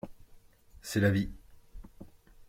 C'est la vie.